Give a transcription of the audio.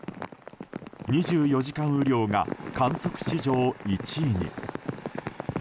２４時間雨量が観測史上１位に。